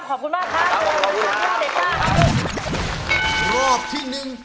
ลับสิ่งที่หนึ่ง